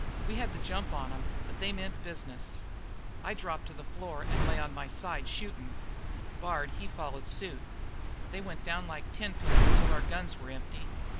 We had the jump on 'em, but they meant business. I dropped to the floor and lay on my side, shootin'; Bard, he followered suit. They went down like tenpins till our guns were empty.